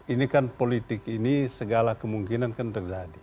ini kan politik ini segala kemungkinan kan terjadi